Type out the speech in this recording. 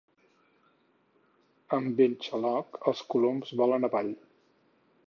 Amb vent xaloc els coloms volen avall.